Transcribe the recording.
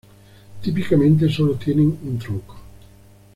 Típicamente sólo tienen un tronco.